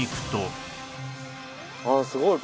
ああすごい。